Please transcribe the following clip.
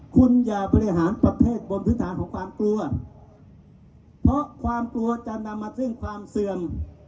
คุณอย่าบริหารประเทศบนพื้นฐานของความกลัวเพราะความกลัวจะนำมาซึ่งความเสื่อม